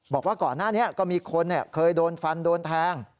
บอกว่าก่อนหน้านี้ก็มีคนเคยโดนฟันโดนแทง